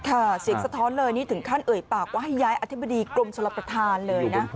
ค่ะเสียงสะท้อนเลยนี่ถึงขั้นเอ่ยปากว่าให้ย้ายอธิบดีกรมชลประธานเลยนะ